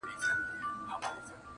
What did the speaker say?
د رندانو له مستۍ به مځکه رېږدي٫